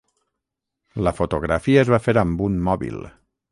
La fotografia es va fer amb un mòbil.